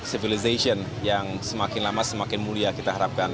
civilization yang semakin lama semakin mulia kita harapkan